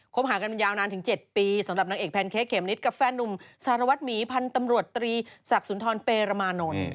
หากันยาวนานถึง๗ปีสำหรับนางเอกแพนเค้กเข็มนิดกับแฟนนุ่มสารวัตรหมีพันธุ์ตำรวจตรีศักดิ์สุนทรเปรมานนท์